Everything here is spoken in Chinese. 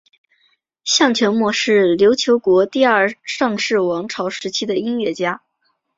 向全谟是琉球国第二尚氏王朝时期的音乐家。